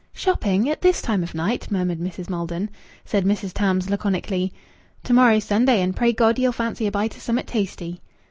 "Shopping! At this time of night!" murmured Mrs. Maldon. Said Mrs. Tams laconically "To morrow's Sunday and pray God ye'll fancy a bite o' summat tasty."